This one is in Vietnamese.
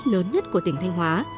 lớn nhất của tỉnh thanh hóa